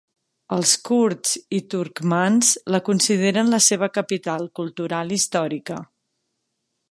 Els kurds i turcmans la consideren la seva capital cultural històrica.